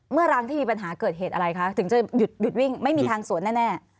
รางที่มีปัญหาเกิดเหตุอะไรคะถึงจะหยุดวิ่งไม่มีทางสวนแน่